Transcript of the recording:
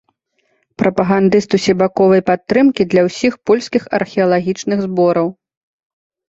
Прапагандыст усебаковай падтрымкі для ўсіх польскіх археалагічных збораў.